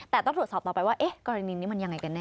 แต่ต้องตรวจสอบต่อไปว่ากรณีนี้มันยังไงกันแ